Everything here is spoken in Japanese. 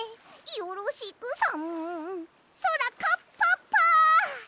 よろしくさんそらカッパッパ！